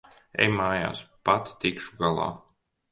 Ej mājās. Pati tikšu galā.